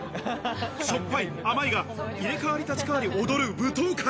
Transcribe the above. しょっぱい、甘いが入れ代わり立ち代わり踊る舞踏会。